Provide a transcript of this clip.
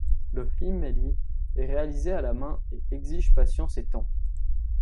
Le Himmeli est réalisé à la main et exige patience et temps.